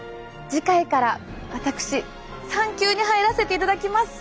次回から私産休に入らせていただきます。